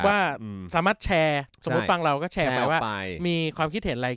ว่าสามารถแชร์สมมุติฟังเราก็แชร์ไปว่ามีความคิดเห็นอะไร